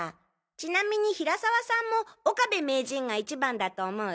ちなみに平沢さんも岡部名人が１番だと思う？